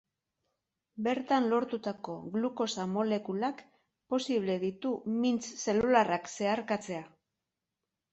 Bertan lortutako glukosa molekulak posible ditu mintz zelularrak zeharkatzea.